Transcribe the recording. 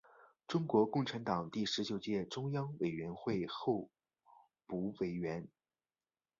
中国共产党第十九届中央委员会候补委员。